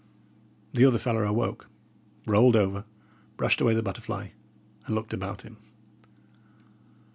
The other fellow awoke, rolled over, brushed away the butterfly, and looked about him.